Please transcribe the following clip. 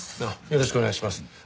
ああよろしくお願いします。